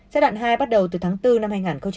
giai đoạn hai bắt đầu từ tháng bốn năm hai nghìn hai mươi